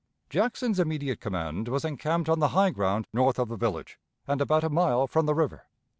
Jackson's immediate command was encamped on the high ground north of the village and about a mile from the river.